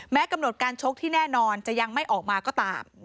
กำหนดการชกที่แน่นอนจะยังไม่ออกมาก็ตาม